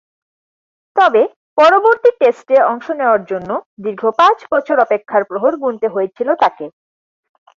তবে, পরবর্তী টেস্টে অংশ নেয়ার জন্যে দীর্ঘ পাঁচ বছর অপেক্ষার প্রহর গুণতে হয়েছিল তাকে।